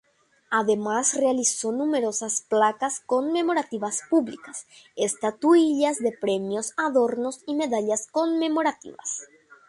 Además realizó numerosas placas conmemorativas públicas, estatuillas de premios, adornos y medallas conmemorativas.